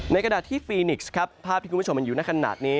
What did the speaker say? ในกระดาษที่เฟนิกซ์ภาพที่คุณผู้ชมอยู่ในขณะนี้